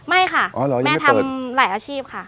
ไม่ค่ะแม่ทำหลายอาชีพค่ะ